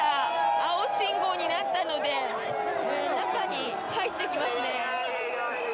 青信号になったので中に入っていきますね。